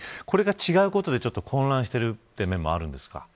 これが違うことで混乱しているという面もあるんですか。